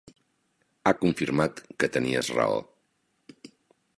Ha confirmat que tenies raó.